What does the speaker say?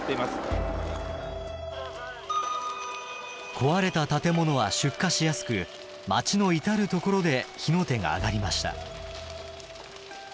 壊れた建物は出火しやすく街の至る所で火の手が上がりました。